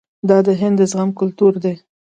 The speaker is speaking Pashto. دا د هند د زغم کلتور دی.